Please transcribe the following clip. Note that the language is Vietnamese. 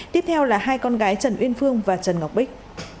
tiếp theo là hai con gái trần uyên phương và trần ngọc bích